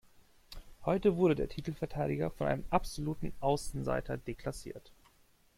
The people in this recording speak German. Heute wurde der Titelverteidiger von einem absoluten Außenseiter deklassiert.